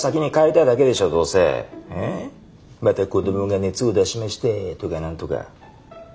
また子どもが熱を出しましたとか何とか。